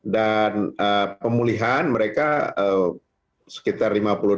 dan pemulihan mereka sekitar lima puluh delapan